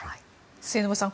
末延さん